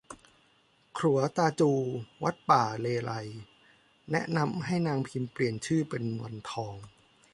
ขรัวตาจู วัดป่าเลไลย แนะนำให้นางพิมเปลี่ยนชื่อเป็นวันทอง